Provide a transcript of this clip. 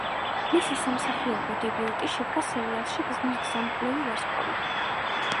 მისი სამსახიობო დებიუტი შედგა სერიალში „გზამკვლევი ვარსკვლავი“.